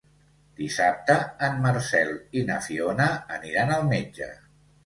Dissabte en Marcel i na Fiona aniran al metge.